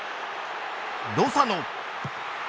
ロサノ。